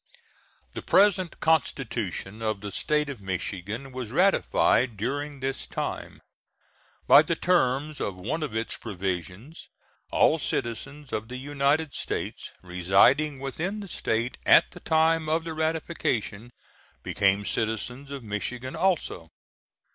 The present constitution of the State of Michigan was ratified during this time. By the terms of one of its provisions, all citizens of the United States residing within the State at the time of the ratification became citizens of Michigan also.